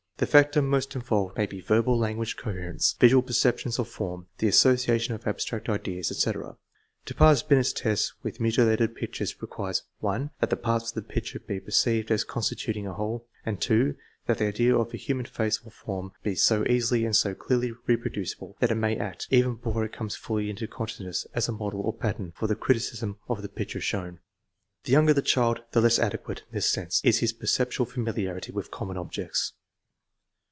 The factor most involved may be verbal language coherence, visual perception of form, the association of abstract ideas, etc. To pass Bluet's test with mutilated pictures requires, (1) that the parts of the picture be perceived as constituting a whole; and (2) that the idea of a human face or form be so easily and so clearly reproducible that it may act, even before it comes fully into consciousness, as a model or pattern, for the criticism of the picture shown. The younger the child, the less adequate, in this sense, is his perceptual familiarity with 180 THE MEASUREMENT OF INTELLIGENCE common objects.